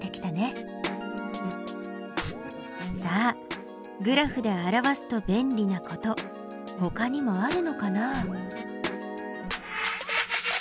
さあグラフで表すと便利なことほかにもあるのかな？